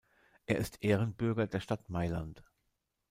Er ist Ehrenbürger der Stadt Mailand.